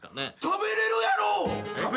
食べれるやろ！